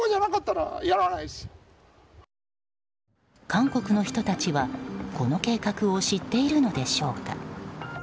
韓国の人たちは、この計画を知っているのでしょうか。